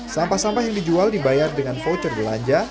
sampah sampah yang dijual dibayar dengan voucher belanja